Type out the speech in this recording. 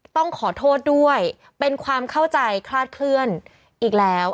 ต้องขอโทษด้วยเป็นความเข้าใจคลาดเคลื่อนอีกแล้ว